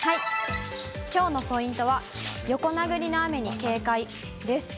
きょうのポイントは、横殴りの雨に警戒です。